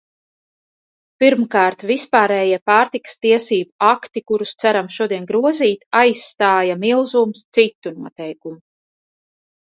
Pirmkārt, vispārējie pārtikas tiesību akti, kurus ceram šodien grozīt, aizstāja milzums citu noteikumu.